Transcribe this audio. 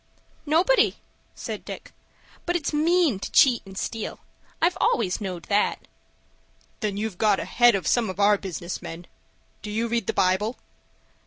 "Nobody," said Dick. "But it's mean to cheat and steal. I've always knowed that." "Then you've got ahead of some of our business men. Do you read the Bible?"